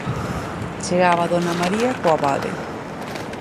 Chegaba dona María co abade.